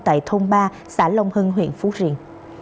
tại thôn ba xã long hưng huyện phú riền